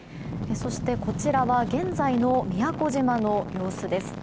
そして、こちらは現在の宮古島の様子です。